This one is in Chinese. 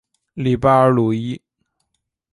里巴尔鲁伊。